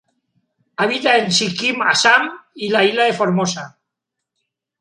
Habita en Sikkim, Assam y la isla de Formosa.